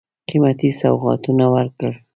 قېمتي سوغاتونه ورکړل.